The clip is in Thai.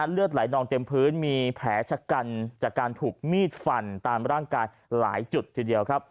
เลือดไหลนองเต็มพื้นมีแผลชะกันจากการถูกมีดฟันตามร่างกายหลายจุดทีเดียวครับ